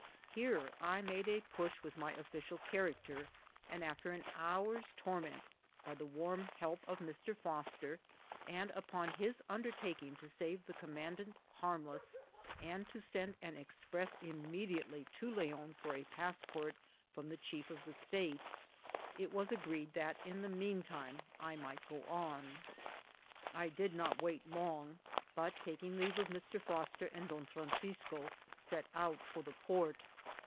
Here I made a push with my official character, and after an hour's torment, by the warm help of Mr. Foster, and upon his undertaking to save the commandant harmless, and to send an ex press immediately to Leon for a passport from the chief of the state, it was agreed that in the mean time I might go on. I did not wait long, but, taking leave of Mr. Foster and Don Francisco, set out for the port.